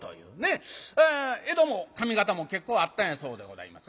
江戸も上方も結構あったんやそうでございます。